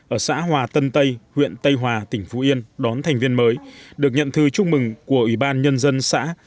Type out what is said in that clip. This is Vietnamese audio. ở xã hòa tân tây huyện tây hòa tỉnh phú yên đón thành viên mới được nhận thư chúc mừng của ủy ban nhân dân xã